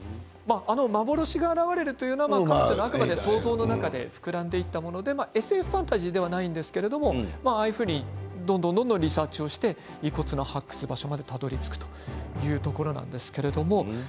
幻が現れるというのはあくまで想像の中で膨らんでいったものでＳＦファンタジーではないですけれど、ああいうふうにどんどんリサーチをして遺骨の発掘場所までたどりつくというところなんですけれど。